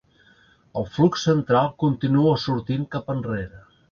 El flux central continua sortint cap enrere.